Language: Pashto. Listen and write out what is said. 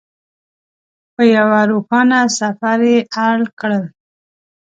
په یوه روښانه سفر یې اړ کړل.